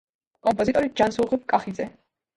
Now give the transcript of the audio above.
კომპოზიტორი: ჯანსუღ კახიძე.